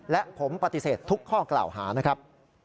และผมปฏิเสธทุกข้อกล่าวหานะครับ